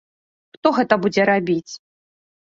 Хто гэта будзе рабіць?